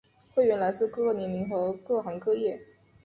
会员来自各个年龄和各行各业。